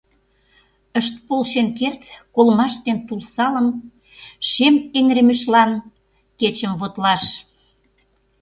Ышт полшен керт колымаш ден тул салым Шем эҥыремышлан кечым вотлаш.